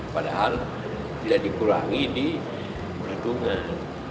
padahal tidak dikurangi di perhitungan